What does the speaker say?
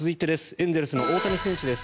エンゼルスの大谷選手です。